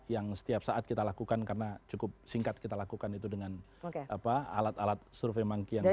yang setiap saat kita lakukan karena cukup singkat kita lakukan itu dengan alat alat survei mangki yang